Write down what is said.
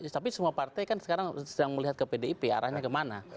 tapi semua partai kan sekarang sedang melihat ke pdip arahnya kemana